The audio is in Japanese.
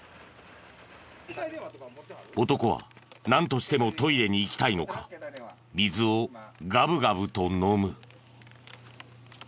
男はなんとしてもトイレに行きたいのか水をガブガブと飲む。